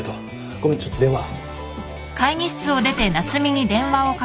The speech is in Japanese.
ごめんちょっと電話。